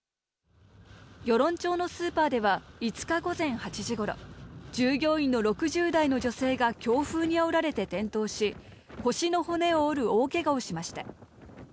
与論町のスーパーでは５日午前８時ごろ、従業員の６０代の女性が強風にあおられて転倒し、腰の骨を折る大けがをしました。